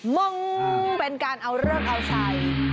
มองเป็นการเอาเลิกเอาชัย